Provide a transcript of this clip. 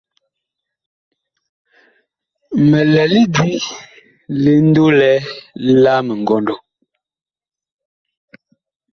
Mi lɛ lidi ndolɛ la mingɔndɔ.